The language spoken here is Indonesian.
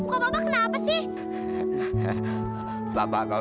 ini udah bener bos